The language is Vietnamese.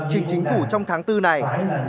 trình chính phủ trong tháng bốn này